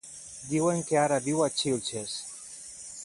Diuen que ara viu a Xilxes.